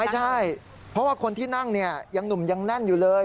ไม่ใช่เพราะว่าคนที่นั่งเนี่ยยังหนุ่มยังแน่นอยู่เลย